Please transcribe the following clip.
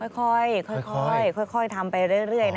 ค่อยทำไปเรื่อยนะ